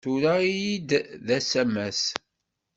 Tura-iyi-d asamas.